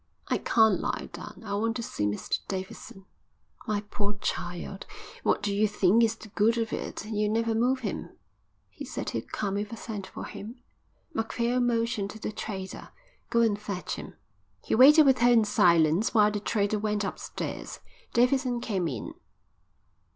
"I can't lie down. I want to see Mr Davidson." "My poor child, what do you think is the good of it? You'll never move him." "He said he'd come if I sent for him." Macphail motioned to the trader. "Go and fetch him." He waited with her in silence while the trader went upstairs. Davidson came in.